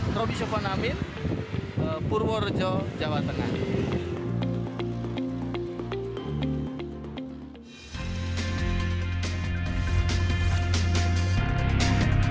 provisio konamin purworejo jawa tengah